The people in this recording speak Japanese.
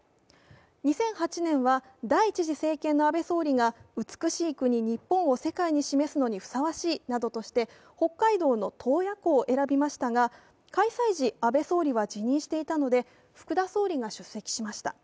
２００８年は第１次政権の安倍総理が、「美しい国、日本」を世界に示すのにふさわしいなどとして北海道の洞爺湖を選びましたが、開催時、安倍総理は辞任していたので福田総理が出席しました。